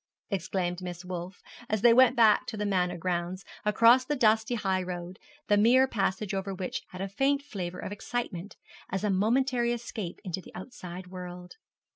exclaimed Miss Wolf, as they went back to the Manor grounds, across the dusty high road, the mere passage over which had a faint flavour of excitement, as a momentary escape into the outside world.